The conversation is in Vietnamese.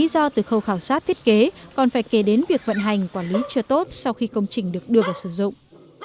do từ khâu khảo sát thiết kế còn phải kể đến việc vận hành quản lý chưa tốt sau khi công trình được đưa vào sử dụng